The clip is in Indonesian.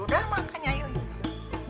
udah makanya yuk